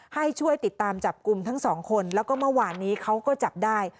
ให้ช่วยติดตามจับกลุ่มทั้งสองคนแล้วก็เมื่อวานนี้เขาก็จับได้